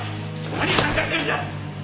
何考えてるんだ！